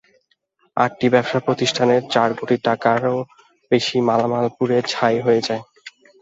আটটি ব্যবসাপ্রতিষ্ঠানের চার কোটি টাকারও বেশি মালামাল পুড়ে ছাই হয়ে যায়।